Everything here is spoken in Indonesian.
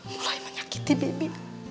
mulai menyakiti bibi